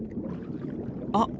あっ！